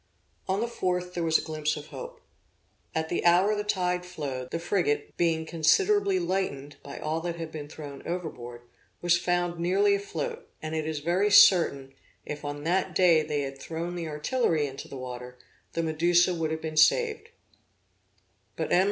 On the 4th, there was a glimpse of hope. At the hour the tide flowed, the frigate, being considerably lightened by all that had been thrown overboard, was found nearly afloat; and it is very certain, if on that day they had thrown the artillery into the water, the Medusa would have been saved; but M.